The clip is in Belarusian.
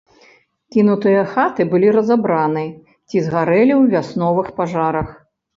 Кінутыя хаты былі разабраны ці згарэлі ў вясновых пажарах.